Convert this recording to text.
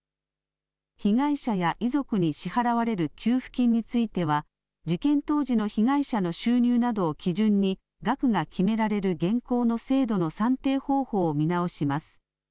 被害者や遺族に支払われる給付金については、事件当時の被害者の収入などを基準に額が決められる現行の制度の算定方法を見直します。